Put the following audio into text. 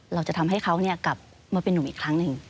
เราจะทำให้เขากลับมาเป็นนุ่มอีกครั้งหนึ่ง